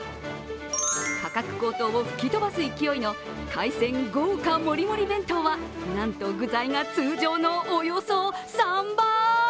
価格高騰を吹き飛ばす勢いの海鮮豪華もりもり弁当はなんと具材が通常のおよそ３倍。